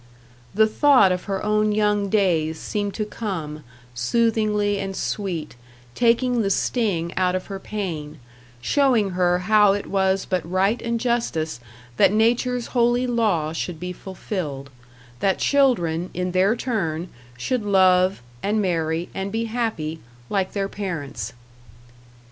The thought of her own young days seemed to come, soothingly and sweet, taking the sting out of her pain, showing her how it was but right and justice that Nature's holy law should be fulfilled that children, in their turn, should love, and marry, and be happy, like their parents.